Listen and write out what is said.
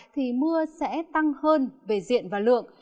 thì mưa sẽ tăng hơn về diện và lượng